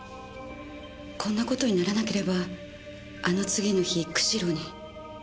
こんな事にならなければあの次の日釧路に。